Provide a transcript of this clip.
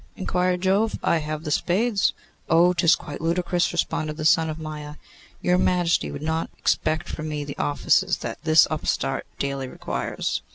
inquired Jove. 'I have the spades.' 'Oh! 'tis quite ludicrous,' responded the son of Maia. 'Your Majesty would not expect from me the offices that this upstart daily requires.